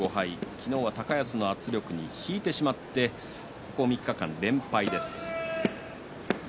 昨日は高安の圧力に引いてしまってここ３日間連敗です。